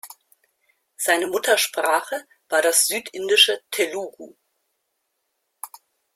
Seine Muttersprache war das südindische Telugu.